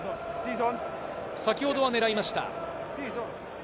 先ほどは狙いました。